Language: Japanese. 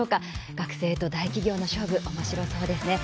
学生と大企業の勝負おもしろそうですね。